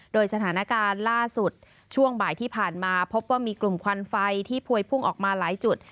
โดยสถานการณ์ล่าสุดช่วงบ่ายที่ผ่านมาพบว่ามีกลุ่มควันไฟที่พวยพุ่งออกมาหลายจุด